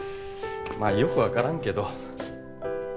まあよく分からんけど。